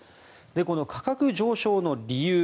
この価格上昇の理由